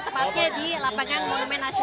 tepatnya di lapangan womensi